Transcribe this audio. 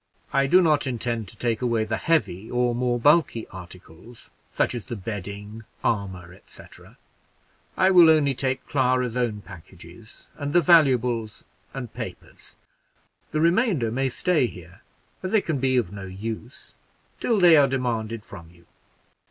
"I do not intend to take away the heavy or more bulky articles, such as the bedding, armor, &c. I will only take Clara's own packages, and the valuables and papers. The remainder may stay here, as they can be of no use, till they are demanded from you.